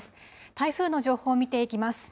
台風の情報を見ていきます。